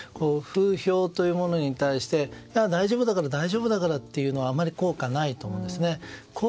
風評というものに対して大丈夫だから大丈夫だからと言うのはあまり効果がないと思うんです。